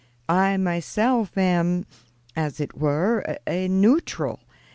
I myself am, as it were, a neutral.